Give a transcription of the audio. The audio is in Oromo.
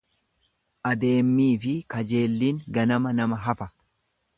Adeemmiifi kajelliin ganama nama hafa.